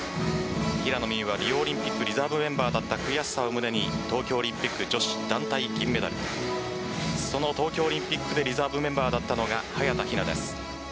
平野美宇は、リオオリンピックリザーブメンバーだった悔しさを胸に東京オリンピック女子団体銀メダルその東京オリンピックでリザーブメンバーだったのが早田ひなです。